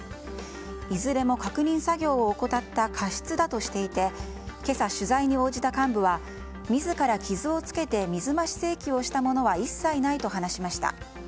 いずれも確認作業を怠った過失だとしていて今朝、取材に応じた幹部は自ら傷をつけて水増し請求をしたものは一切ないと話しました。